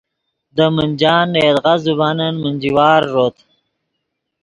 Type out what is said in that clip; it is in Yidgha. دے منجان نے یدغا زبانن منجی وار ݱوت